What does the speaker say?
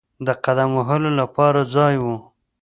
د قدم وهلو لپاره ځای وو.